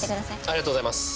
ありがとうございます。